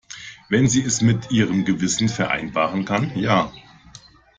Wenn sie es mit ihrem Gewissen vereinbaren kann, ja.